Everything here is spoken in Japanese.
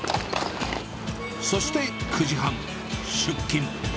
そして９時半、出勤。